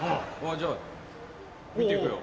じゃあ見てくよ。